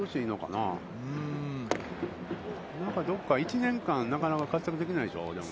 なんかどこか１年間なかなか活躍できないでしょう。